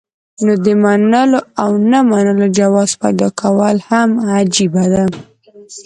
نو د منلو او نۀ منلو جواز پېدا کول هم عجيبه ده